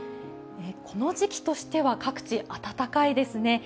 この時期としては各地、暖かいですね。